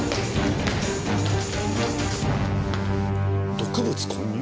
毒物混入？